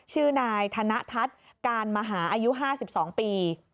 ชื่อนายธนทัศน์การมหาอายุ๕๒ปี